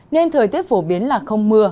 nên thời tiết phổ biến là không mưa